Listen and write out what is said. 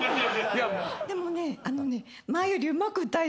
でもね。